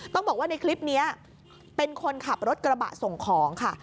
ต้องบอกว่าในคลิปนี้เป็นคนขับรถกระบะส่งของค่ะ